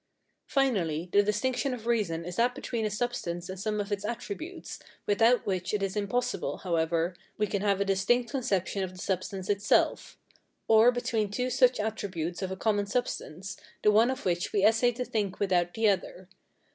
Finally, the distinction of reason is that between a substance and some one of its attributes, without which it is impossible, however, we can have a distinct conception of the substance itself; or between two such attributes of a common substance, the one of which we essay to think without the other.